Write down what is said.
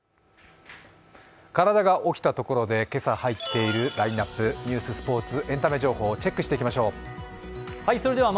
体が起きたところで今朝入っているラインナップ、ニュース、スポーツ、エンタメ情報、チェックしていきましょう。